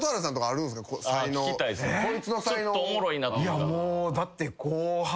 いやもうだって後輩。